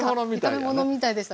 炒め物みたいやね。